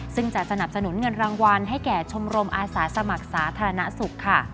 ซึ่งจะสนับสนุนเงินรางวัลให้แก่ชมรมอาสาสมัครสาธารณสุขค่ะ